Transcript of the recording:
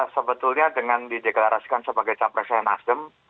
sebetulnya dengan dideklarasikan sebagai capresen asem